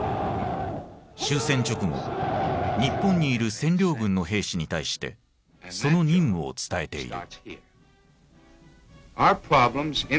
終戦直後日本にいる占領軍の兵士に対してその任務を伝えている。